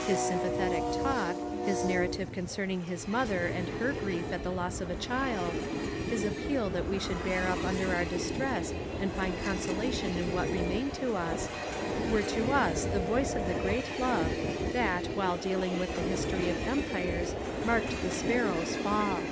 His sym pathetic talk, his narrative concerning his mother and her grief at the loss of a child, his appeal that we should bear up under our distress and find consolation in what remained to us, were to us the voice of the great love that while dealing with the history of empires marked the sparrow's fall.